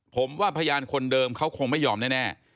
ผมว่าพยานคนเดิมเขาคงไม่ยอมแน่